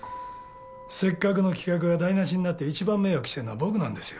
せっかくの企画が台無しになって一番迷惑してるのは僕なんですよ。